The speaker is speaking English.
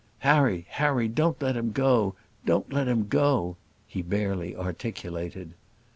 "Harry Harry; don't let him go don't let him go," he barely articulated.